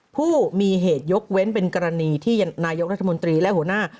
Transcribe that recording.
ผู้มีเหตุยกเว้นเป็นกรณีที่นายกรัฐมนตรีและหัวหน้า